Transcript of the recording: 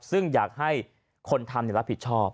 ซึ่งอยากให้คนทำรับผิดชอบ